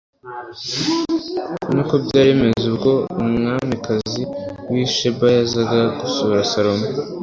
uko ni ko byari bimeze ubwo umwamikazi w'i sheba yazaga gusura salomo